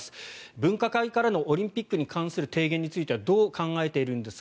分科会からのオリンピックに関する提言についてはどう考えているんですか。